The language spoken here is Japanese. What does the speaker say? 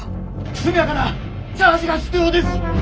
「速やかなチャージが必要です」。